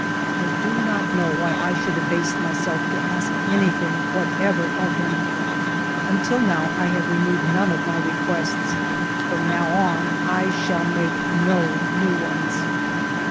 I do not know why I should abase myself to ask anything whatever of him. Until now I have renewed none of my requests. From now on I shall make no new ones.